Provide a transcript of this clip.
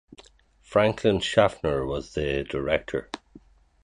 Franklin Schaffner was the director.